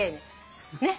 ねっ。